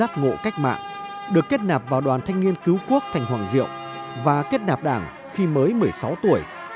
lê đức vân giác ngộ cách mạng được kết nạp vào đoàn thanh niên cứu quốc thành hoàng diệu và kết nạp đảng khi mới một mươi sáu tuổi